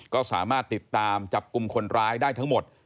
ก็สามารถติดตามจับกลุ่มคนร้ายได้ทั้งหมด